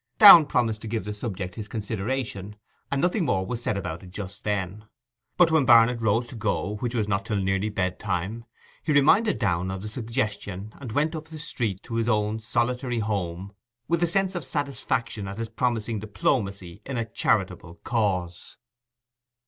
Downe promised to give the subject his consideration, and nothing more was said about it just then. But when Barnet rose to go, which was not till nearly bedtime, he reminded Downe of the suggestion and went up the street to his own solitary home with a sense of satisfaction at his promising diplomacy in a charitable cause.